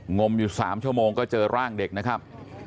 งมอยู่๓ชั่วโมงก็เจอร่างเด็กนะครับ